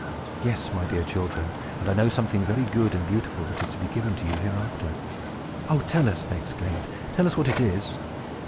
Yes, my dear children, and I know something very good and beautiful that is to be given you hereafter!" "Oh, tell us," they exclaimed, "tell us what it is!"